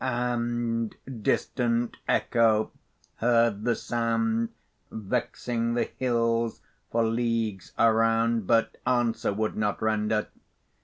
And distant Echo heard the sound Vexing the hills for leagues around, But answer would not render.